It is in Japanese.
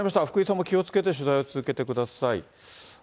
福井さんも気をつけて取材を続けてください。